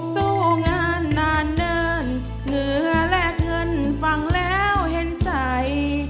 สู้งานนานเนิ่นเหงื่อและเงินฟังแล้วเห็นใจ